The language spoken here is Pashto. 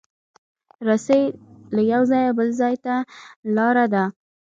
رسۍ له یو ځایه بل ځای ته لاره ده.